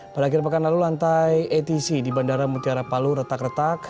pada akhir pekan lalu lantai atc di bandara mutiara palu retak retak